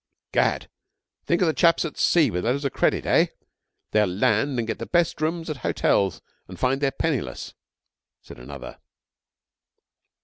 'Gad, think of the chaps at sea with letters of credit. Eh? They'll land and get the best rooms at the hotels and find they're penniless,' said another.